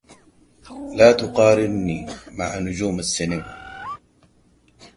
لا تقارني مع نجوم السينما